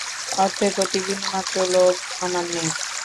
অর্থের প্রতি বিন্দুমাত্র লোভ আমার নেই!